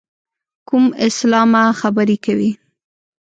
کوم اسلامه خبرې کوې.